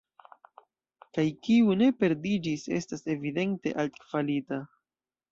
Kaj kiu ne perdiĝis, estas evidente altkvalita.